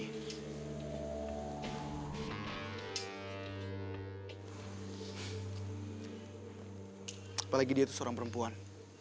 apalagi dia itu seorang perempuan